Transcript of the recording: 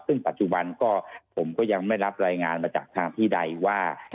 ซึ่งปัจจุบันก็ผมก็ยังไม่รับรายงานมาจากทางที่ใดว่า